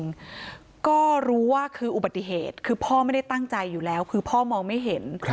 ก็รู้ว่าคืออุบัติเหตุคือพ่อไม่ได้ตั้งใจอยู่แล้วคือพ่อมองไม่เห็น